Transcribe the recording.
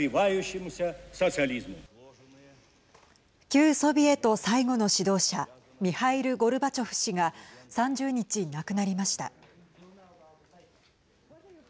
旧ソビエト最後の指導者ミハイル・ゴルバチョフ氏が３０日、亡くなりました。